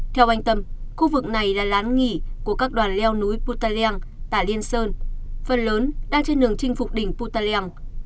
theo anh tâm khu vực này là lán nghỉ của các đoàn leo núi putaleng tại liên sơn phần lớn đang trên đường chinh phục đỉnh putaleng